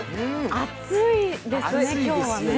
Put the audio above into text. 暑いですね、今日はね。